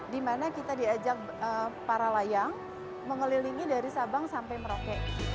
di mana kita diajak para layang mengelilingi dari sabang sampai merauke